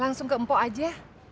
langsung ke empok aja